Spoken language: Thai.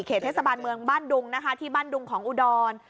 เทศบาลเมืองบ้านดุงนะคะที่บ้านดุงของอุดร